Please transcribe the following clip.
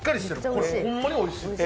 これ、ホンマにおいしい。